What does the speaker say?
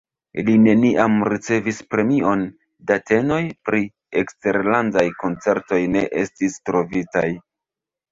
Li neniam ricevis premion, datenoj pri eksterlandaj koncertoj ne estis trovitaj.